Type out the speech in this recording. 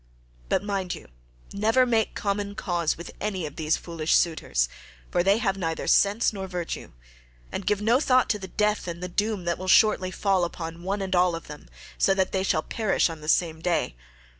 But mind you never make common cause with any of those foolish suitors, for they have neither sense nor virtue, and give no thought to death and to the doom that will shortly fall on one and all of them, so that they shall perish on the same day.